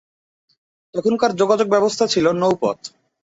তখনকার যোগাযোগ ব্যবস্থা ছিল নৌপথ।